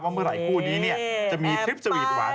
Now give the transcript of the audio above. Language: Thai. ว่าไอ้แหล่กูดีจะมีคลิปสวีทหวาน